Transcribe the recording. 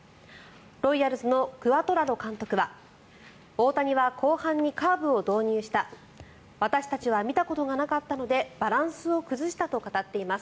ロイヤルズのクアトラロ監督は大谷は後半にカーブを導入した私たちは見たことがなかったのでバランスを崩したと語っています。